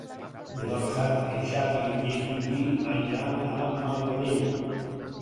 Demà passat en Xavi i en Quintí aniran a Marganell.